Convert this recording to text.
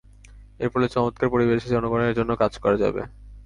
এর ফলে চমৎকার পরিবেশে জনগণের জন্য কাজ করা যাবে।